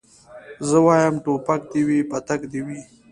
زه وايم ټوپک دي وي پتک دي وي